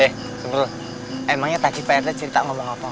eh semroh emangnya tadi pak rt cerita ngomong apa